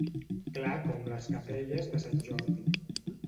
Clar com les capelles de sant Jordi.